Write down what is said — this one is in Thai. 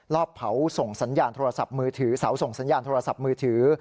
รอบเผาสาวส่งสัญญาณโทรศัพท์มือถือ